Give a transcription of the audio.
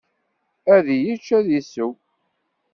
Ad yečč, ad isew.